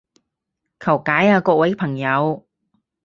求解啊各位朋友